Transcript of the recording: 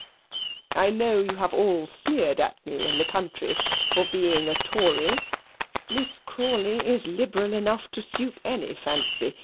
I know you have all sneered at me in the country for being a Tory. Miss Crawley is liberal enough to suit any fancy.